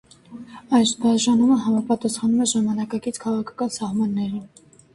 Այս բաժանումը համապատասխանում է ժամանակակից քաղաքական սահմաններին։